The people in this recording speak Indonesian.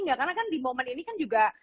nggak karena kan di momen ini kan juga